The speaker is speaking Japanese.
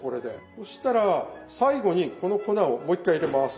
そしたら最後にこの粉をもう一回入れます。